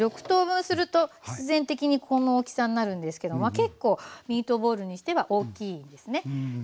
６等分すると必然的にこの大きさになるんですけど結構ミートボールにしては大きいですね。